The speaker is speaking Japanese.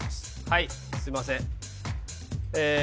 はいすいませんえっ